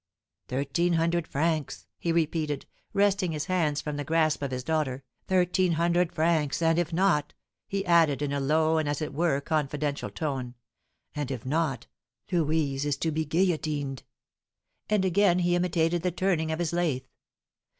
"Thirteen hundred francs," he repeated, wresting his hands from the grasp of his daughter. "Thirteen hundred francs, and if not," he added, in a low and as it were, confidential tone, "and if not, Louise is to be guillotined." And again he imitated the turning of his lathe.